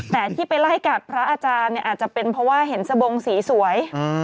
แต่ที่ไปไล่กัดพระอาจารย์เนี่ยอาจจะเป็นเพราะว่าเห็นสบงสีสวย